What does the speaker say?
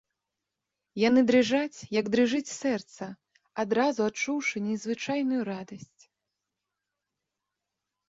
Яны дрыжаць, як дрыжыць сэрца, адразу адчуўшы незвычайную радасць.